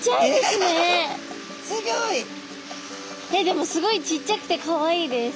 でもすごいちっちゃくてかわいいです。